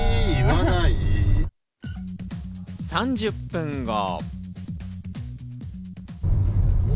３０分後。